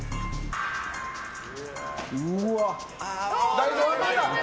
大丈夫！